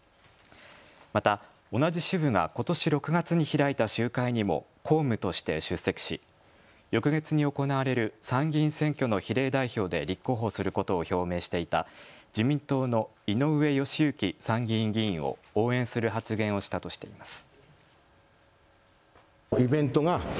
また同じ支部がことし６月に開いた集会にも公務として出席し翌月に行われる参議院選挙の比例代表で立候補することを表明していた自民党の井上義行参議院議員を応援する発言をしたとしています。